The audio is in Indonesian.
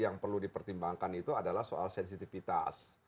yang perlu dipertimbangkan itu adalah soal sensitivitas